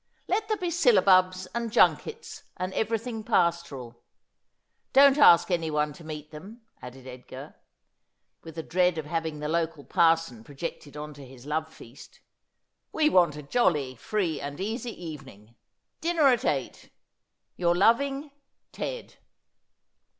Let there be syllabubs and junkets and everything pastoral. Don't ask anyone to meet them,' added Edgar, with a dread of having the local parson projected on his love feast ;' we want a jolly, free and easy evening. Dinner at eight. — Your loving Ted.'